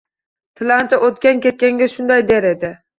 Tilanchi o`tgan-ketganga shunday der edi